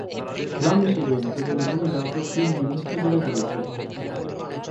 L'anno seguente venne nominato Primo ministro della Grecia.